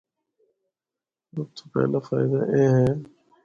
سب تو پہلا فائدہ اے ہے۔